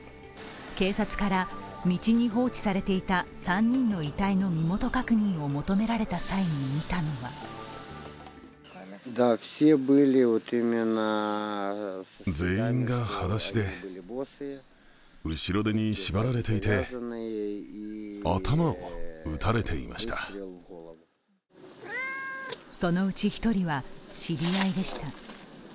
警察から道に放置されていた３人の遺体の身元確認を求められた際に見たのはそのうち１人は知り合いでした。